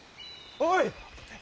おい！